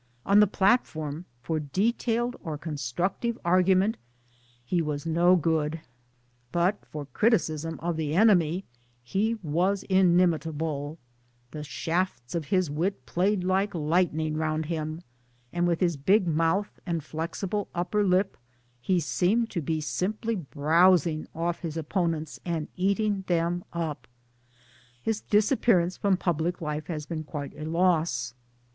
On the platform for detailed or constructive argu ment he was no good, but for criticism of the enemy he was inimitable the shafts of his wit played like lightning round him, and with his big mouth and flexible upper lip he seemed to be simply browsing off his opponents and eating them up. His disappearance from public life has been quite a loss.